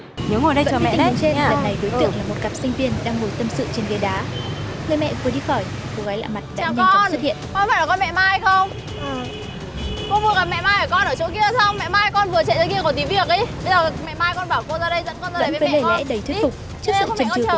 nếu ngồi đây chờ mẹ lên